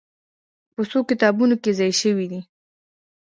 په څو کتابونو کې ځای شوې دي.